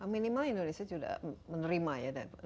minimal indonesia sudah menerima ya